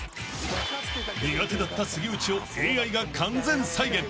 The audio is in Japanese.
［苦手だった杉内をＡＩが完全再現］